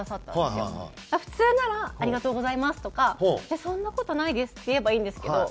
普通なら「ありがとうございます」とか「そんな事ないです」って言えばいいんですけど